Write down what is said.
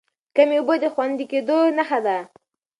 کمې اوبه د خوندي کېدو نښه ده.